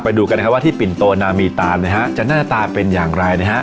ไปดูกันนะครับว่าที่ปิ่นโตนามีตานนะฮะจะหน้าตาเป็นอย่างไรนะฮะ